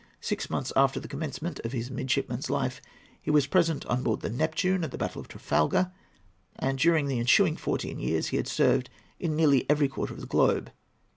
Six months after the commencement of his midshipman's life he was present, on board the Neptune, at the battle of Trafalgar, and during the ensuing fourteen years he served in nearly every quarter of the globe.